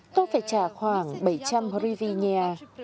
tôi phải trả khoảng bảy trăm linh hri vi nha